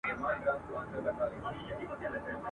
تعلیم یافته ښځه په کور کي ډېره هوسا وي.